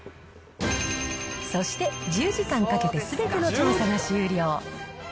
そして１０時間かけてすべての調査が終了。